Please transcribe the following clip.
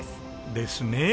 ですねえ。